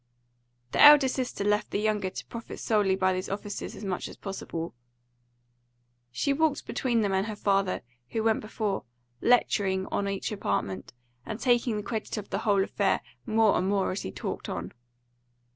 The elder sister left the younger to profit solely by these offices as much as possible. She walked between them and her father, who went before, lecturing on each apartment, and taking the credit of the whole affair more and more as he talked on.